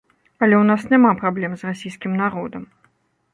Але ў нас няма праблем з расійскім народам.